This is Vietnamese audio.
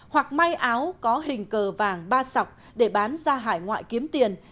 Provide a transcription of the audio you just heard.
hoặc may áo có hình cờ vàng ba sọc để bán ra hải ngoại kiếm tiền